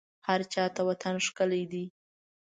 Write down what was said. هرچا ته وطن ښکلی دی